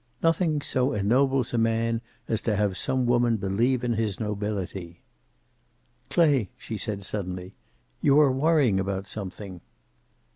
Nothing so ennobles a man as to have some woman believe in his nobility. "Clay," she said suddenly, "you are worrying about something."